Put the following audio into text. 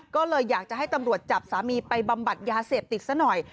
ก็เลยอยากจะให้ตำรวจจับสามีไปบำบัดยาเสพติดซะหน่อย